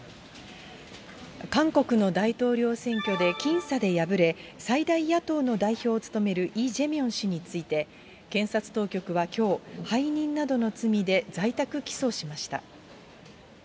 韓国の大統領選挙で僅差で敗れ、最大野党の代表を務めるイ・ジェミョン氏について、検察当局はきょう、背任などの罪で在宅起訴しました。